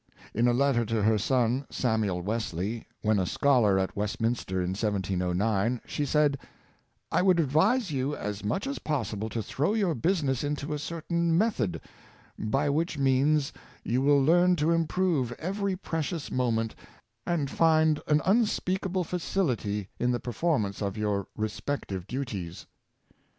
In a letter to her son, Samuel Wesley, when a scholar at Westminster in 1709, she said: "I would advise you as much as possible to throw your business into a certain method^ by which means you will learn to improve ev ery precious moment, and find an unspeakable facility in the performance of your respective duties."